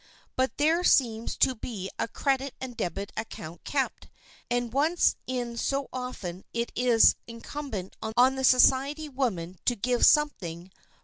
But there seems to be a credit and debit account kept, and once in so often it is incumbent on the society woman to "give something."